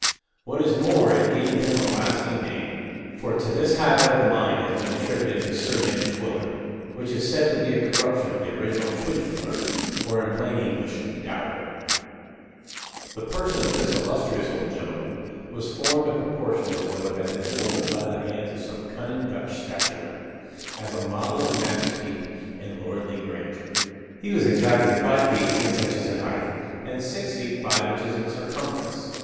What is more, it gained him a lasting name; for to this habit of the mind has been attributed his surname of Twiller; which is said to be a corruption of the original Twijfler, or, in plain English, Doubter. The person of this illustrious old gentleman was formed and proportioned as though it had been molded by the hands of some cunning Dutch statuary, as a model of majesty and lordly grandeur. He was exactly five feet six inches in height, and six feet five inches in circumference.